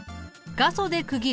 画素で区切る。